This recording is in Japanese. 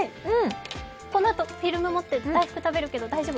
このあとフィルム持って大福食べるけど大丈夫？